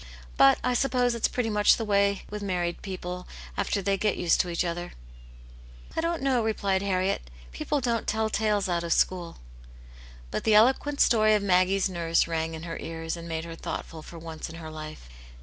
But I suppose it's pretty much the way with married people after they get used to each other." " I don't know," replied Harriet ;*' people don't tell tales out of school." But the eloquent story of Maggie's nurse rang in her ears, and made her thoughtful for once in her life.